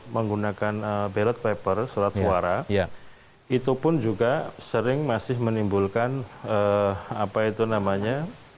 menggunakan ballot paper surat suara itu pun juga sering masih menimbulkan apa itu namanya